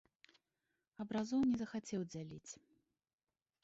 Абразоў не захацеў дзяліць.